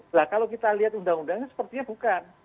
nah kalau kita lihat undang undangnya sepertinya bukan